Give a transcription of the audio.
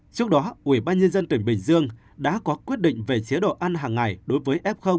trước đó ubnd tỉnh bình dương đã có quyết định về chế độ ăn hàng ngày đối với f